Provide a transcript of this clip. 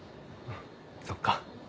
そっか。